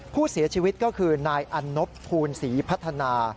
ผู้เสียชีวิตก็คือนายอันนบภูลศรีพัฒนา